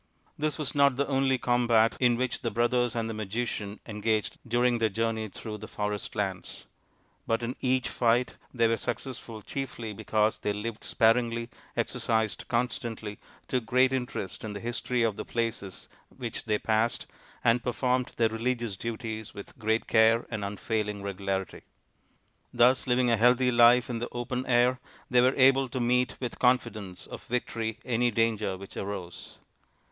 This was not the only combat in which the brothers and the magician engaged during their journey through the forest lands ; but in each fight they were successful chiefly because they lived sparingly, exercised constantly, took great interest in the history of the places which they passed, and performed their religious duties with great care and unfailing regularity. Thus, living a healthy life in the open air, they were able to meet with confidence of victory any danger which arose.